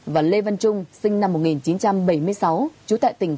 và lê văn trung sinh năm một nghìn chín trăm bảy mươi sáu chú tại tỉnh hưng yên